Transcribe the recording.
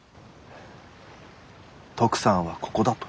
トクさんは「ここだ」と。